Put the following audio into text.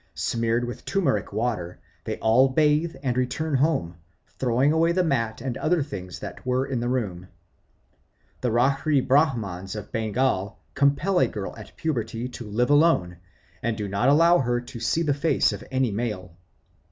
Smeared with turmeric water, they all bathe and return home, throwing away the mat and other things that were in the room. The Rarhi Brahmans of Bengal compel a girl at puberty to live alone, and do not allow her to see the face of any male.